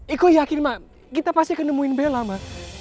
ikut yakin ma kita pasti ketemu bella ma